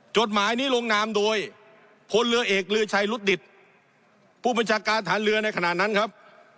จดหมายนี้ลงนามโดยพลเรือเอกลือชัยรุดดิตผู้บัญชาการฐานเรือในขณะนั้นครับ